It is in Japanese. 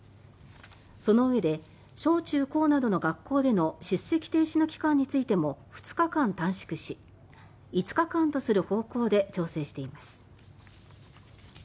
そのうえで小・中・高などの学校での出席停止の期間についても２日間短縮し５日間とする方向で調整しています。